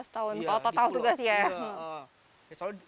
enam belas tahun total tugas ya